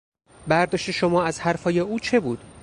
برداشت شما از حرفهای او چه بود؟